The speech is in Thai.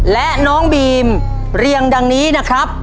และน้องบีมเรียงดังนี้นะครับ